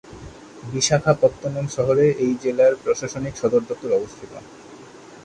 বিশাখাপত্তনম শহরে এই জেলার প্রশাসনিক সদর দপ্তর অবস্থিত।